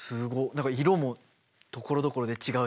何か色もところどころで違うし。